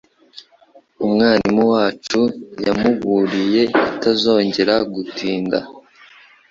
Umwarimu wacu yamuburiye kutazongera gutinda.